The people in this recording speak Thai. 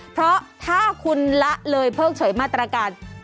เพราะถ้าคุณละเลยเพิ่งเฉยมาตรการ